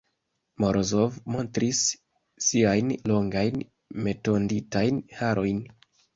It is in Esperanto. Morozov montris siajn longajn netonditajn harojn.